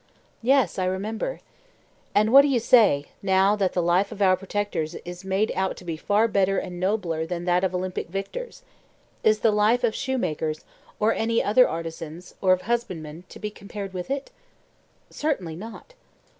Yes, I remember. And what do you say, now that the life of our protectors is made out to be far better and nobler than that of Olympic victors—is the life of shoemakers, or any other artisans, or of husbandmen, to be compared with it? Certainly not.